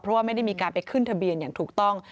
เพราะว่าไม่ได้มีการไปขึ้นทะเบียนอย่างถูกต้อง